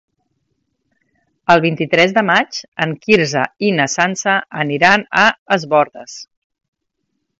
El vint-i-tres de maig en Quirze i na Sança aniran a Es Bòrdes.